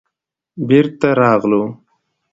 بېرته راغلو.